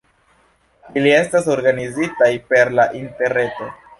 Ili estas organizitaj per la interreto.